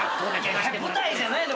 舞台じゃないんだ。